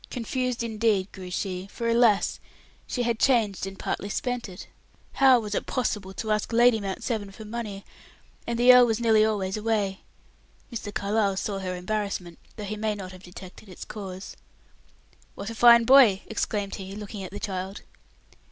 Confused, indeed, grew she: for, alas! she had changed and partly spent it. How was it possible to ask Lady Mount Severn for money? And the earl was nearly always away. Mr. Carlyle saw her embarrassment, though he may not have detected its cause. "What a fine boy!" exclaimed he, looking at the child.